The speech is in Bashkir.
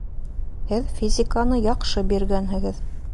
Һеҙ физиканы яҡшы биргәнһегеҙ